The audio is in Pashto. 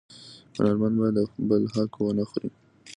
هنرمن باید د بل حق ونه خوري